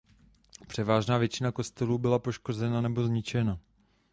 Převážná většina kostelů byla poškozena nebo zničena.